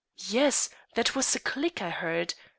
Yes, that was a click I heard.